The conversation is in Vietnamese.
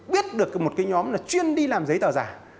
biết được một nhóm chuyên đi làm giấy tờ giả